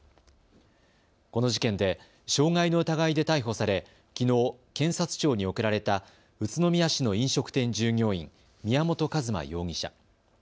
この事件で傷害の疑いで逮捕されきのう、検察庁に送られた宇都宮市の飲食店従業員、宮本一馬容疑者。